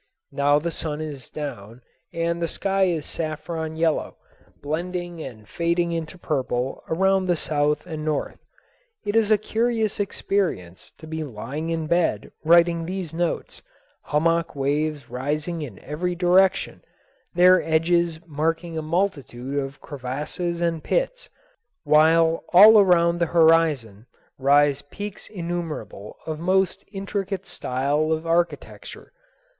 Now the sun is down and the sky is saffron yellow, blending and fading into purple around to the south and north. It is a curious experience to be lying in bed writing these notes, hummock waves rising in every direction, their edges marking a multitude of crevasses and pits, while all around the horizon rise peaks innumerable of most intricate style of architecture.